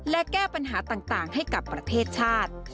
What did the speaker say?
และแก้ปัญหาต่างให้กับประเทศชาติ